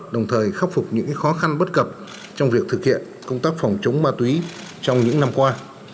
đồng thời khắc phục những khó khăn bất cập trong việc thực hiện công tác phòng chống ma túy trong những năm qua